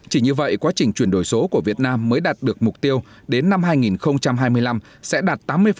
chỉ như vậy quá trình chuyển đổi số của việt nam mới đạt được mục tiêu đến năm hai nghìn hai mươi năm sẽ đạt tám mươi